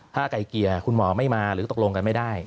ถ้าไก่เกลี่ยคุณหมอไม่มาหรือตกลงกันไม่ได้